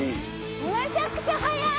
めちゃくちゃ速い！